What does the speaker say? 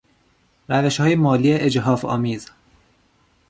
روشهای مالی اجحافآمیز